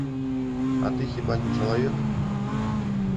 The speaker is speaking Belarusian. А ты хіба не чалавек?!